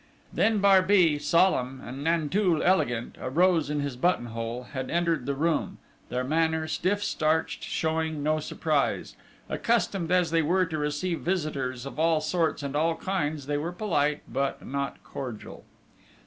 Then Barbey, solemn, and Nanteuil, elegant, a rose in his buttonhole, had entered the room, their manner stiff starched, showing no surprise, accustomed as they were to receive visitors of all sorts and kinds: they were polite, but not cordial.